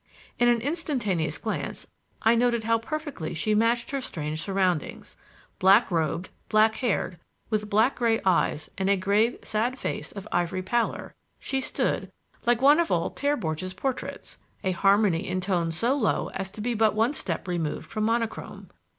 In an instantaneous glance I noted how perfectly she matched her strange surroundings. Black robed, black haired, with black gray eyes and a grave sad face of ivory pallor, she stood, like one of old Terborch's portraits, a harmony in tones so low as to be but one step removed from monochrome.